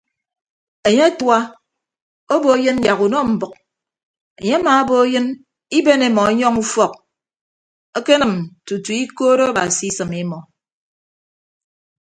Enye atua obo eyịn yak unọ mbʌk enye amaabo eyịn iben imọ yọñ ufọk kenịm tutu ikoot abasi asịm imọ.